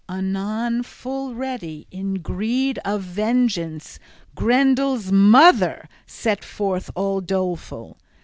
Anon full ready in greed of vengeance, Grendel's mother set forth all doleful.